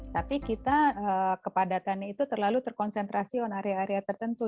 tapi kita kepadatannya itu terlalu terkonsentrasi oleh area area tertentu